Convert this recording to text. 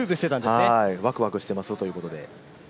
ワクワクしていますということで。